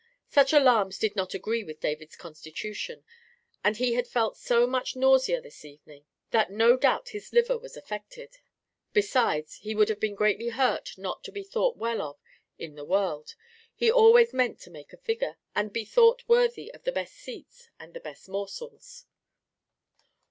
Such alarms did not agree with David's constitution, and he had felt so much nausea this evening that no doubt his liver was affected. Besides, he would have been greatly hurt not to be thought well of in the world: he always meant to make a figure, and be thought worthy of the best seats and the best morsels.